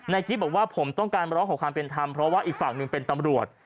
กิ๊บบอกว่าผมต้องการร้องขอความเป็นธรรมเพราะว่าอีกฝั่งหนึ่งเป็นตำรวจ